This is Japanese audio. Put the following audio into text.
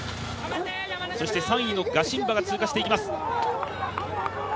そして３位のガシンバが通過していきます。